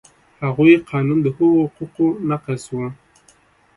هغوی قانون د هغو حقوقو نقض و.